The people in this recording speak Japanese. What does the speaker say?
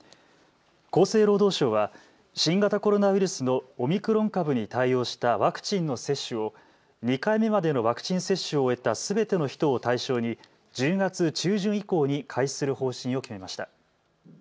厚生労働省は新型コロナウイルスのオミクロン株に対応したワクチンの接種を２回目までのワクチン接種を終えたすべての人を対象に１０月中旬以降に開始する方針を決めました。